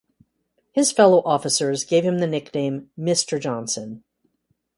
His fellow officers gave him the nickname "Mr. Johnson".